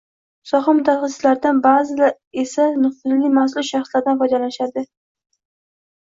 soha «mutaxassis»laridan, ba’zida esa nufuzli mas’ul shaxslardan foydalanishadi